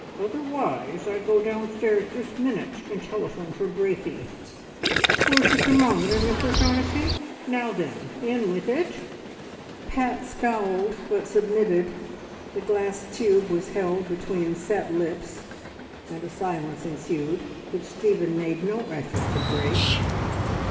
Otherwise I go downstairs this minute and telephone for Braithey. Where's the thermometer, Miss O'Shaughnessy? Now then, in with it!" Pat scowled, but submitted. The glass tube was held between set lips, and a silence ensued which Stephen made no effort to break.